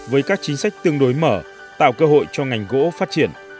với các chính sách tương đối mở tạo cơ hội cho ngành gỗ phát triển